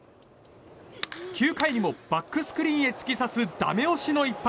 ９回にもバックスクリーンへ突き刺すだめ押しの一発。